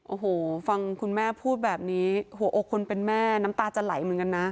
โอ้โหฟังคุณแม่พูดแบบนี้หัวอกคนเป็นแม่น้ำตาจะไหลเหมือนกันนะ